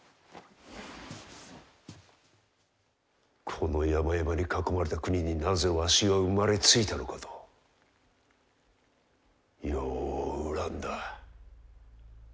この山々に囲まれた国になぜわしは生まれついたのかとよう恨んだ。